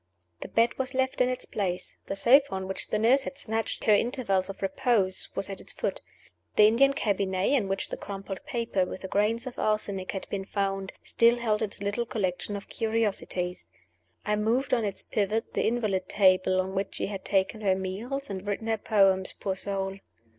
The bed was left in its place; the sofa on which the nurse had snatched her intervals of repose was at its foot; the Indian cabinet, in which the crumpled paper with the grains of arsenic had been found, still held its little collection of curiosities. I moved on its pivot the invalid table on which she had taken her meals and written her poems, poor soul.